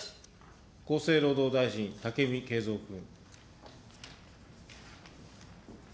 厚生労働大臣、武見敬三君。